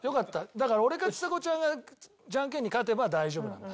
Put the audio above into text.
だから俺かちさ子ちゃんがジャンケンに勝てば大丈夫なんだ。